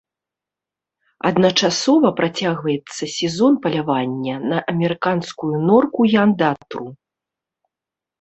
Адначасова працягваецца сезон палявання на амерыканскую норку і андатру.